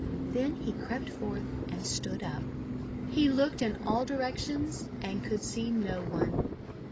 Then he crept forth and stood up. He looked in all directions and could see no one.